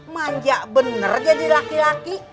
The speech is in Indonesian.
manja benar jadi laki laki